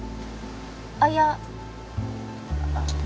あっいや。